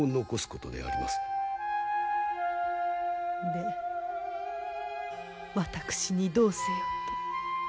で私にどうせよと？